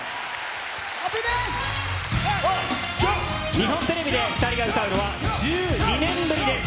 日本テレビで２人が歌うのは１２年ぶりです。